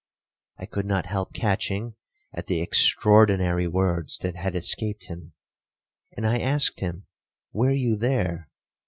I could not help catching at the extraordinary words that had escaped him; and I asked him, 'Were you there?'